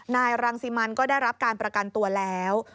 นายรังสิมันก็ได้รับการประกันตัวแล้ว